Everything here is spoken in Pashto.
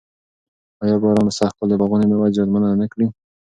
آیا باران به سږ کال د باغونو مېوه زیانمنه نه کړي؟